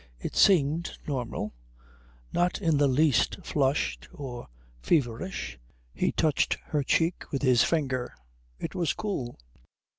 It seemed normal; not in the least flushed or feverish. He touched her cheek with his finger. It was cool.